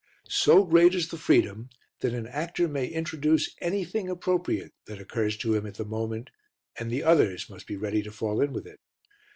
So great is the freedom that an actor may introduce anything appropriate that occurs to him at the moment, and the others must be ready to fall in with it.